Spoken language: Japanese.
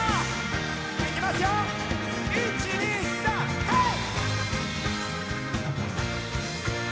いきますよ、１、２、３、はい！